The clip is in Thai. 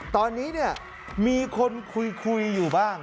ตอนนี้เนี่ยมีคนคุยอยู่บ้าง